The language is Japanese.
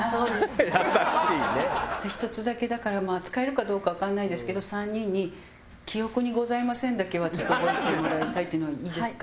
１つだけだから使えるかどうかわかんないですけど３人に「記憶にございません」だけはちょっと覚えてもらいたいっていうのはいいですか？